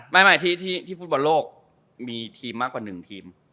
คนที่ฟุตบอลโลกมีทีมมากกว่าหนึ่งทีม